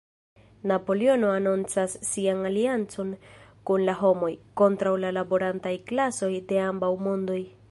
Napoleono anoncas sian aliancon kun la homoj, kontraŭ la laborantaj klasoj de ambaŭ "mondoj.